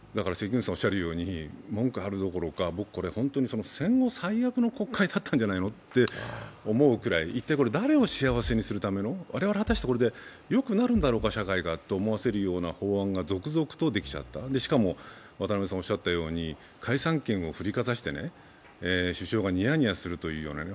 文句あるどころか戦後、最悪の国会だったんじゃないのかと思うくらい、一体これは誰を幸せにするための、果たしてこれで社会がよくなるんだろうかと思わせるような続々とできちゃった、しかも解散権を振りかざして、首相がニヤニヤするというようなね。